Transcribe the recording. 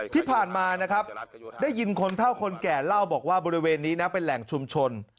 ที่ผ่านมานะครับได้ยินคนเท่าคนแก่เล่าบอกว่าบริเวณนี้นะเป็นแหล่งชุมชน